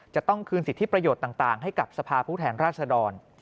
จะต้องคืนสิทธิประโยชน์ต่างให้กับสภาผู้แทนราชดร